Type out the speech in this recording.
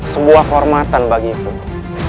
sebuah kehormatan bagi ibunda